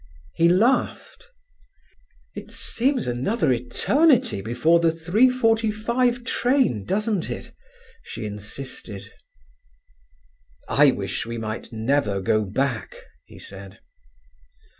He laughed. "It seems another eternity before the three forty five train, doesn't it?" she insisted. "I wish we might never go back," he said.